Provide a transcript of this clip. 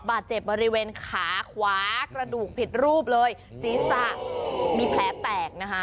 บาดเจ็บบริเวณขาขวากระดูกผิดรูปเลยศีรษะมีแผลแตกนะคะ